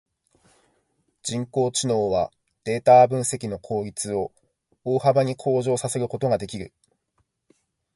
人工知能はデータ分析の効率を大幅に向上させることができる。